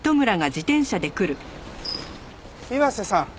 岩瀬さん